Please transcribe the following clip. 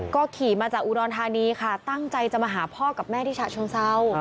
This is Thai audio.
ก็ขี่มาจากอุดรธานีค่ะตั้งใจจะมาหาพ่อกับแม่ที่ฉะเชิงเศร้า